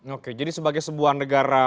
oke jadi sebagai sebuah negara